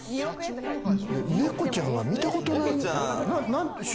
猫ちゃんが見たことない。